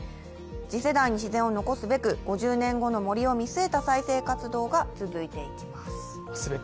次世代に自然を残すべく５０年後の森を見据えた再生活動が続いています。